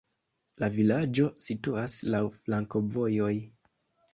La vilaĝo situas laŭ flankovojoj.